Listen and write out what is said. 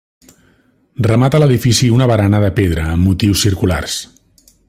Remata l'edifici una barana de pedra amb motius circulars.